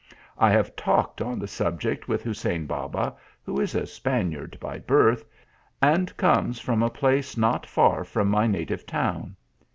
I have talked on the subject with Hussein Baba, who is a Spaniard by birth, and comes from a place not far from my native town.